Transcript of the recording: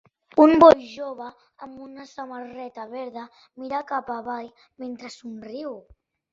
Un noi jove amb una samarreta verda mira cap avall mentre somriu